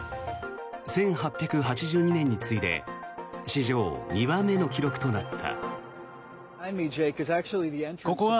１８８２年に次いで史上２番目の記録となった。